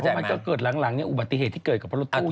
มันก็เกิดหลังอุบัติเหตุที่เกิดกับรถตู้